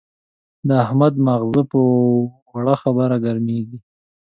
د احمد ماغزه په وړه خبره ګرمېږي.